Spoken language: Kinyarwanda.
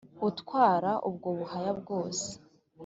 Utwara ubwo Buhaya bwose